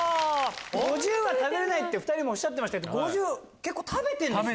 ５０は食べれないって２人おっしゃってましたけど結構食べてるんですね。